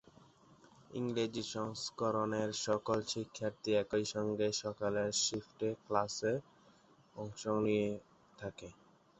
ইংরেজি সংস্করণের সকল শিক্ষার্থী একই সঙ্গে সকালের শিফটে ক্লাসে অংশ নিয়ে থাকে।